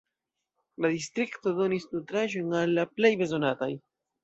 La distrikto donis nutraĵojn al la plej bezonataj.